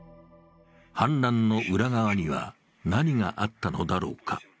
反乱の裏側には何があったのだろうか。